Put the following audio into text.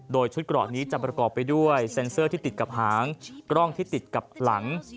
โดยชุดเกราะนี้จะประกอบไปด้วยเซ็นเซอร์ที่ติดกับหางกล้องที่ติดกับหลัง